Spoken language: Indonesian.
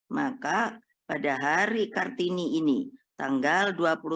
maka pada hari kartini ini tanggal dua puluh tiga